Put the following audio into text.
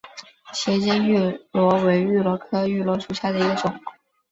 斜肩芋螺为芋螺科芋螺属下的一个种。